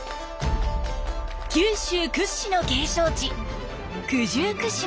九州屈指の景勝地九十九島。